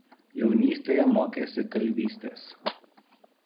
Jaunystėje mokėsi kalvystės.